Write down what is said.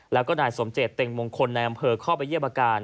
แล้วก็นายสมเจตเต็งมงคลในอำเภอเข้าไปเยี่ยมอาการ